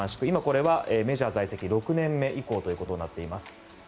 今これはメジャー在籍６年目以降となっています。